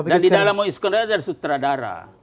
dan di dalam oiskelnya ada sutradara